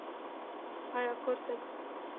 ایا کور ته ځئ؟